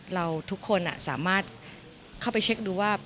เราทุกคนสามารถเข้าไปเช็คดูว่า